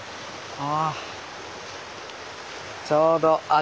あ。